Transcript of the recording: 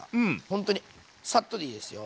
ほんとにサッとでいいですよ。